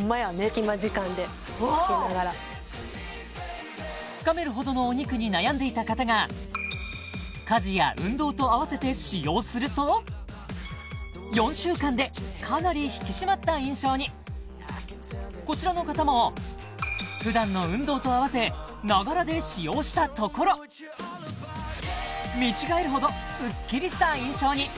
隙間時間で着けながらつかめるほどのお肉に悩んでいた方が家事や運動とあわせて使用すると４週間でかなり引き締まった印象にこちらの方も普段の運動とあわせながらで使用したところ見違えるほどスッキリした印象に！